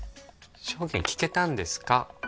証言聞けたんですか？